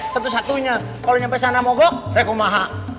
tentu satunya kalo nyampe sana mogok rekomaha